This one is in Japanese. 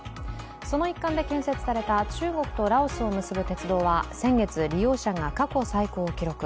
その一環で建設された中国とラオスを結ぶ鉄道は先月、利用者が過去最高を記録。